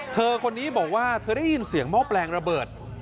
เธอคนนี้บอกว่าเธอได้ยินเสียงหม้อแปลงระเบิด